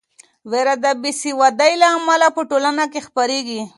وېره د بې سوادۍ له امله په ټولنه کې خپریږي.